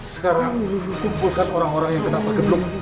sekarang kumpulkan orang orang yang kenal pak geblung